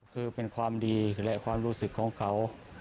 คือเป็นความดีและความรู้สึกของเขา